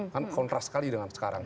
kan kontras sekali dengan sekarang